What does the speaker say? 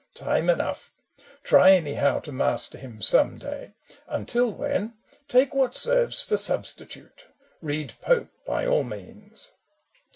Time enough I Try, anyhow, to master him some day ; Until when, take what serves for substitute, Read Pope, by all means